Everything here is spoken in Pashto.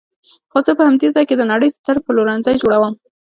خو زه به په همدې ځای کې د نړۍ ستر پلورنځی جوړوم.